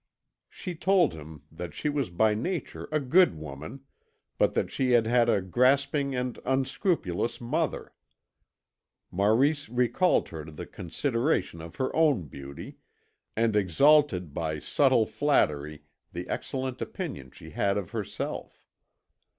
She told him that she was by nature a good woman, but that she had had a grasping and unscrupulous mother. Maurice recalled her to the consideration of her own beauty, and exalted by subtle flattery the excellent opinion she had of herself.